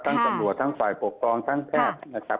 ตำรวจทั้งฝ่ายปกครองทั้งแพทย์นะครับ